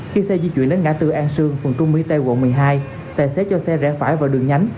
khi xe di chuyển đến ngã tư an sương phường trung mỹ tây quận một mươi hai tài xế cho xe rẽ phải vào đường nhánh